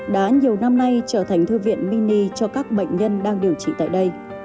đã nhiều năm nay trở thành thư viện mini cho các bệnh nhân đang điều trị tại đây